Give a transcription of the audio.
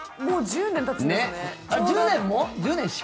もう１０年たつんですね。